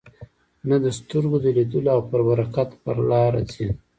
نه د سترګو د لیدلو او پر برکت په لاره ځي.